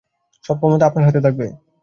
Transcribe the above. সব ক্ষমতা আপনার হাতে থাকবে।